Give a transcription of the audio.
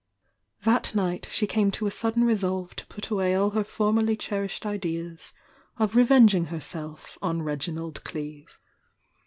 " That night she came to a sudden resolve to put away all her formerly cherished ideas of revenging herself on Reginald Cleeve.